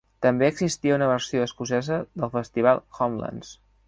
També existia una versió escocesa del festival Homelands.